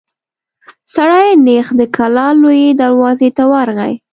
سړی نېغ د کلا لويي دروازې ته ورغی.